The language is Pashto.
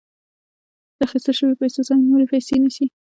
د اخیستل شویو پیسو ځای نورې پیسې نیسي